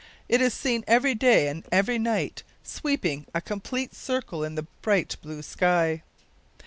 It is seen every day and every night sweeping a complete circle in the bright blue sky.